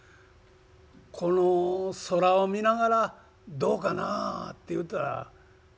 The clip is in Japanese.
この空を見ながらどうかなあって言うたら分かるやろ」。